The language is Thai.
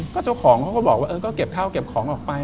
ก็เจ้าของเขาก็บอกว่าเออก็เก็บข้าวเก็บของออกไป